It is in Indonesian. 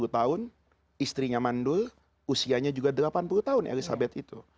sepuluh tahun istrinya mandul usianya juga delapan puluh tahun elizabeth itu